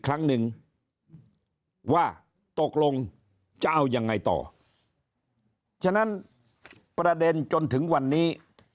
ครั้งหนึ่งว่าตกลงจะเอายังไงต่อฉะนั้นประเด็นจนถึงวันนี้